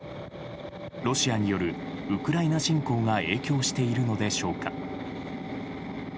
ロシアによるウクライナ侵攻が影響しているのでしょうか。